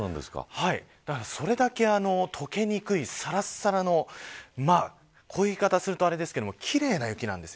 それだけ、解けにくいさらさらのこういう言い方をするとあれですが、奇麗な雪なんです。